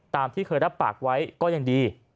ตามที่เคยรับปากไว้ก็ยังดี